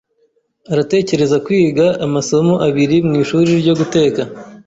Aratekereza kwiga amasomo abiri mwishuri ryo guteka.